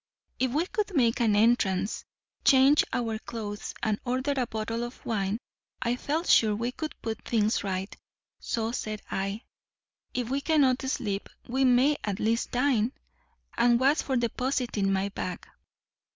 If we could make an entrance, change our clothes, and order a bottle of wine, I felt sure we could put things right; so said I: 'If we cannot sleep, we may at least dine,'—and was for depositing my bag.